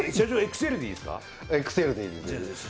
ＸＬでいいです。